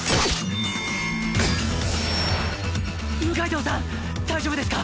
六階堂さん大丈夫ですか？